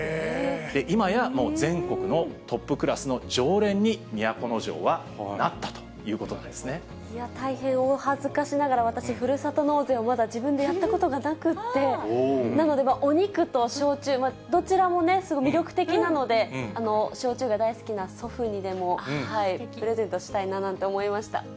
今やもう全国のトップクラスの常連に都城はなったということなんいや、大変お恥ずかしながら、私、ふるさと納税をまだ自分でやったことがなくて、なので、お肉と焼酎、どちらもすごい魅力的なので、焼酎が大好きな祖父にでもプレゼントしたいななんて思いました。